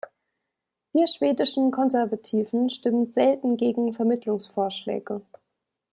Wir schwedischen Konservativen stimmen selten gegen Vermittlungsvorschläge.